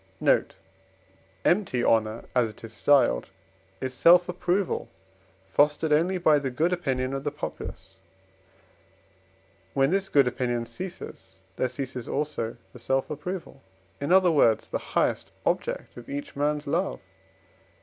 Note Empty honour, as it is styled, is self approval, fostered only by the good opinion of the populace; when this good opinion ceases there ceases also the self approval, in other words, the highest object of each man's love (IV.